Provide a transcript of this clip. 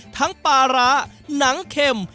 ปลาร้าหนังเข็ม